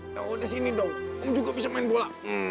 yaudah sini dong om juga bisa main bola